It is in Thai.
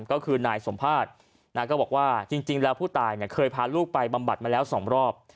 ก็คือนายสมภาษณ์ก็บอกว่าจริงแล้วผู้ตายเคยพาลูกไปบำบัดมาแล้ว๒รอบ